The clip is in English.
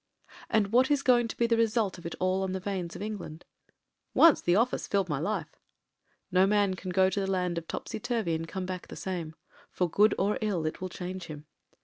And what is going to be the result of it all on the Vanes of England? "Once the office filled my life." No man can go to the land of Topsy Turvy and come back the same — for good or ill it will change him.